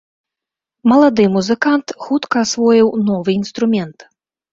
Малады музыкант хутка асвоіў новы інструмент.